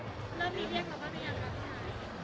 แล้วพี่เรียกคำว่าเป็นยังไง